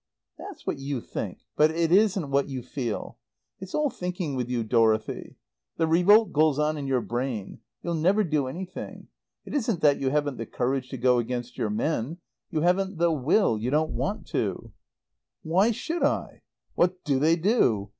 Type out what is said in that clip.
"That's what you think, but it isn't what you feel. It's all thinking with you, Dorothy. The revolt goes on in your brain. You'll never do anything. It isn't that you haven't the courage to go against your men. You haven't the will. You don't want to." "Why should I? What do they do?